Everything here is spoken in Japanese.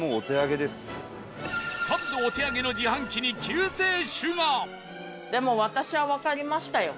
サンドお手上げの自販機に救世主がでも私はわかりましたよ。